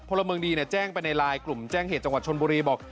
พลเมืองดีแจ้งไปในไลน์กลุ่มแจ้งเหตุจังหวัดชนบุรีบอก